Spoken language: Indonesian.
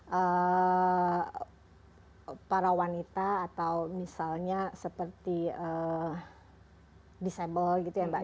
untuk para wanita atau misalnya seperti disable gitu ya mbak